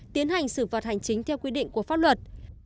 tiến hành sự vật hành chính theo quy định của pháp luật